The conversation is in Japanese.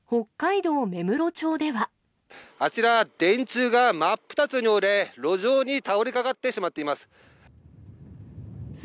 あちら、電柱が真っ二つに折れ、路上に倒れかかってしまっています。